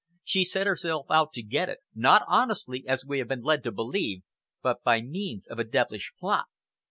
She set herself out to get it not honestly, as we have been led to believe, but by means of a devilish plot.